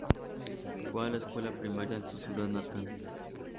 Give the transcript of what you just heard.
Fue a la escuela primaria en su ciudad natal.